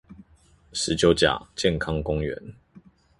十九甲健康公園